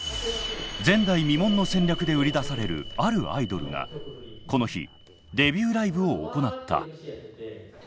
前代未聞の戦略で売り出されるあるアイドルがこの日デビューライブを行った。